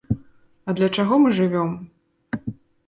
А для чаго мы жывём?